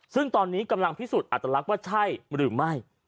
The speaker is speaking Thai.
ซึ่งตอนนี้กำลังพิสูจน์อัตลักษณ์ว่าใช่หรือไม่